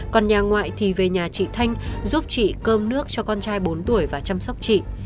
còn nhà ngoại thì về nhà chị thanh giúp chị cơm nước cho con trai bốn tuổi và chăm sóc chị